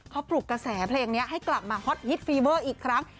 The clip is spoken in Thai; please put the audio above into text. เขาปลุกกระแสเพลงนี้ให้กลับมาฮอตฮิตฟีเวอร์อีกครั้ง